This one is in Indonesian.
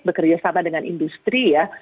bekerja sama dengan industri ya